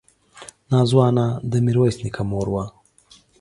نازو انا د ميرويس نيکه مور وه.